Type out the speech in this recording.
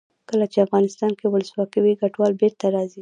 کله چې افغانستان کې ولسواکي وي کډوال بېرته راځي.